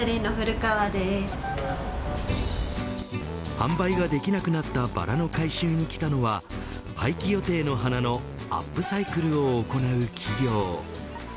販売ができなくなったバラの回収に来たのは廃棄予定の花のアップサイクルを行う企業。